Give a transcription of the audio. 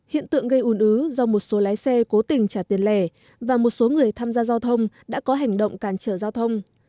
hiện tượng gây ủn ứ do một số lái xe cố tình trả tiền lẻ và một số người tham gia giao thông đã có hành động cản trở giao thông